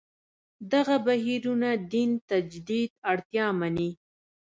دغه بهیرونه دین تجدید اړتیا مني.